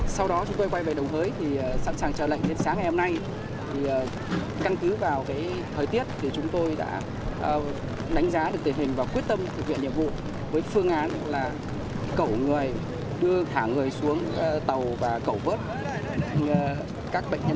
sau đó chúng tôi quay về đồng hới thì sẵn sàng chờ lệnh đến sáng ngày hôm nay căn cứ vào thời tiết thì chúng tôi đã đánh giá được tình hình và quyết tâm thực hiện nhiệm vụ với phương án là cẩu người đưa thả người xuống tàu và cẩu vớt các bệnh nhân